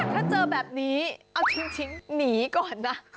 ถ้าเจอแบบนี้เอาจริงหนีก่อนนะ